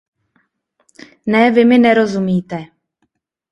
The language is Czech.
Ne, vy mi nerozumíte.